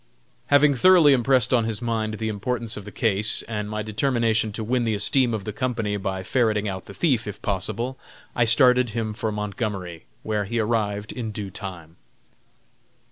Having thoroughly impressed on his mind the importance of the case and my determination to win the esteem of the company by ferreting out the thief, if possible, I started him for Montgomery, where he arrived in due time.